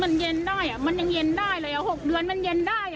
มันเย็นได้อ่ะมันยังเย็นได้เลยอ่ะหกเดือนมันเย็นได้อ่ะ